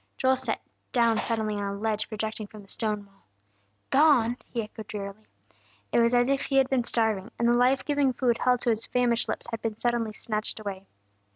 Joel sat down suddenly on a ledge projecting from the stone wall. "Gone!" he echoed drearily. It was as if he had been starving, and the life giving food held to his famished lips had been suddenly snatched away.